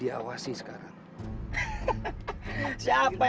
pak assistant bukannya